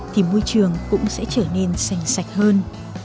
thì môi trường cũng sẽ trở nên xanh sạch hơn